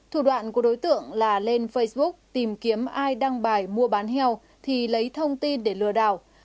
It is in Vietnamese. thủ đoạn của đối tượng là lên facebook tìm kiếm ai đăng bài mua bán heo thì lấy thông tin để lừa đảo